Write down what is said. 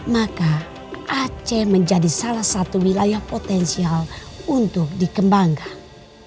maka aceh menjadi salah satu wilayah potensial untuk dikembangkan